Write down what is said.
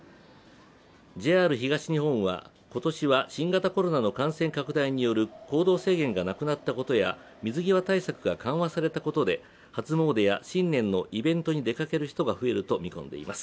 ＪＲ東日本は、今年は新型コロナの感染拡大による行動制限がなくなったことや水際対策が緩和されたことで初詣や新年のイベントに出かける人がいると見込んでいます。